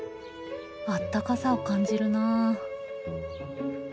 あったかさを感じるなあ。